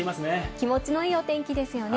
気持ちのいいお天気ですよね。